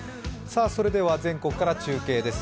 それでは、全国から中継です。